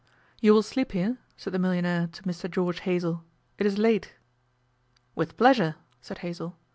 'You will sleep here?' said the millionaire to Mr George Hazell. 'It is late.' 'With pleasure,' said Hazell.